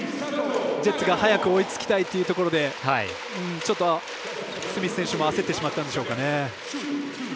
ジェッツが早く追いつきたいというところでちょっとスミス選手も焦ってしまったんでしょうかね。